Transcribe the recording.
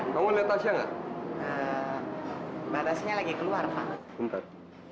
kemarin lagi keluar banget bentar